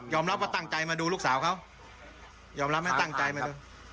รับว่าตั้งใจมาดูลูกสาวเขายอมรับไหมตั้งใจมาดู